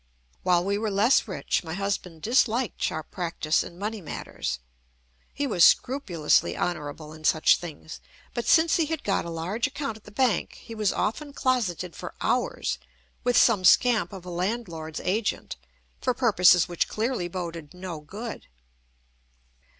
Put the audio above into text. While we were less rich my husband disliked sharp practice in money matters. He was scrupulously honourable in such things. But since he had got a large account at the bank he was often closeted for hours with some scamp of a landlord's agent, for purposes which clearly boded no good.